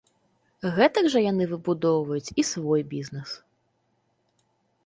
Гэтак жа яны выбудоўваюць і свой бізнес.